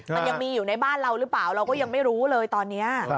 มันยังมีอยู่ในบ้านเราหรือเปล่าเราก็ยังไม่รู้เลยตอนนี้